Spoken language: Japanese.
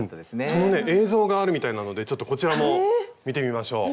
そのね映像があるみたいなのでちょっとこちらも見てみましょう。